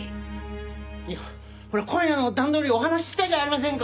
いやほら今夜の段取りお話ししたじゃありませんか。